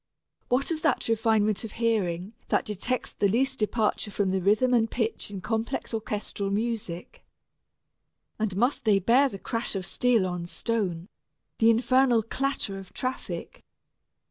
What of that refinement of hearing that detects the least departure from the rhythm and pitch in complex orchestral music? And must they bear the crash of steel on stone, the infernal clatter of traffic?